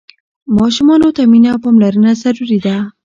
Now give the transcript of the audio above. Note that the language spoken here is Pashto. ماشومانو ته مينه او پاملرنه ضروري ده.